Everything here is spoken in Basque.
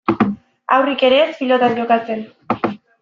Haurrik ere ez pilotan jokatzen.